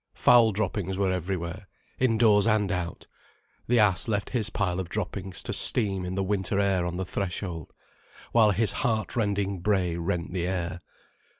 Fowl droppings were everywhere, indoors and out, the ass left his pile of droppings to steam in the winter air on the threshold, while his heartrending bray rent the air.